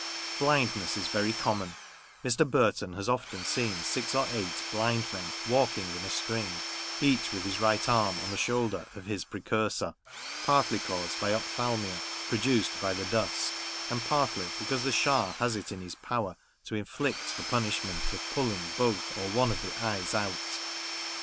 Blindness is very common ; Mr. Burton has often seen six or eight blind men walking in a string, each with his right arm on the shoulder of his precursor; partly caused by ophthalmia produced by the dust, and partly because the Schah has it in his power to inflict the punishment of pulling both or one of the eyes out.